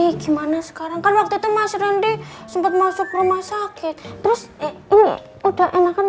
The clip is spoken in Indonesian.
gimana sekarang kan waktu itu mas randi sempat masuk rumah sakit terus eh udah enakan